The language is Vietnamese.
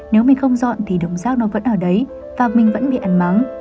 nếu mình không dọn thì đống rác nó vẫn ở đấy và mình vẫn bị ăn mắm